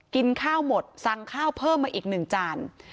กินข้าวหมดสั่งข้าวเพิ่มมาอีกหนึ่งจาน